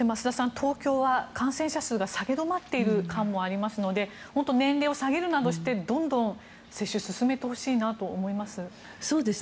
東京は感染者数が下げ止まっている感もありますので本当に年齢を下げるなどしてどんどん接種を進めてほしいなと思います。